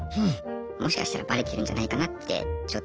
もしかしたらバレてるんじゃないかなってちょっと感じて。